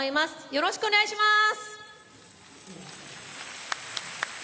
よろしくお願いします！